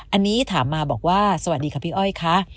อันนี้ถามมาบอกว่าสวัสดีค่ะพี่อ้อยค่ะ